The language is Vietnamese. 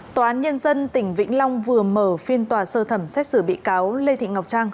tòa án nhân dân tỉnh vĩnh long vừa mở phiên tòa sơ thẩm xét xử bị cáo lê thị ngọc trang